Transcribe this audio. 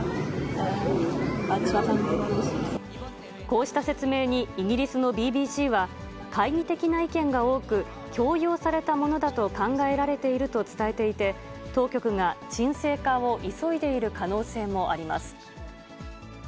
こうした説明に、イギリスのＢＢＣは、懐疑的な意見が多く、強要されたものだと考えられていると伝えていて、当局が沈静化を急いでいる可能性もあります。